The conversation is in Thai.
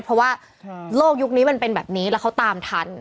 เพราะว่าโลกยุคนี้มันเป็นแบบนี้แล้วเขาตามทัน